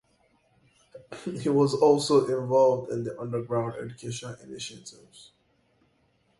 He was also involved in the underground education initiatives.